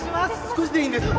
少しでいいんです。